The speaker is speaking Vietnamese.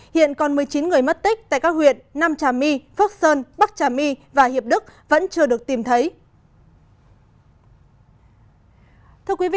hiện còn một mươi chín người mất tích tại các huyện nam trà my phước sơn bắc trà my và hiệp đức vẫn chưa được tìm thấy